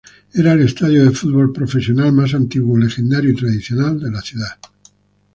Era el estadio de fútbol profesional más antiguo, legendario y tradicional de la ciudad.